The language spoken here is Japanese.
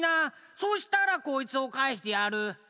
そしたらこいつをかえしてやる！